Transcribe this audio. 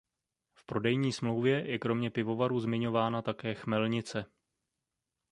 V prodejní smlouvě je kromě pivovaru zmiňována také chmelnice.